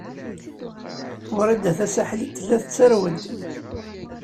Wrida Tasaḥlit tella tettarew-d.